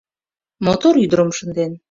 Мотор ӱдырым шынден